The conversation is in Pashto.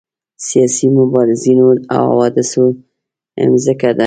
سیاسي مبارزینو او حوادثو مځکه ده.